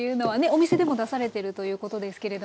お店でも出されてるということですけれども。